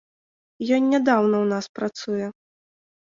Ён нядаўна ў нас працуе.